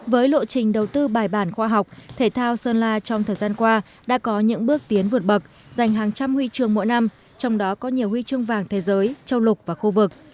với lộ trình đầu tư bài bản khoa học thể thao sơn la trong thời gian qua đã có những bước tiến vượt bậc dành hàng trăm huy chương mỗi năm trong đó có nhiều huy chương vàng thế giới châu lục và khu vực